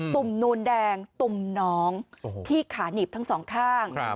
ุ่มนูนแดงตุ่มน้องที่ขาหนีบทั้งสองข้าง